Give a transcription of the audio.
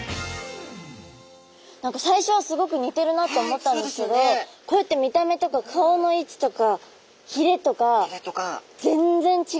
最初はすごく似てるなと思ったんですけどこうやって見た目とか顔の位置とかひれとか全然違うんですね。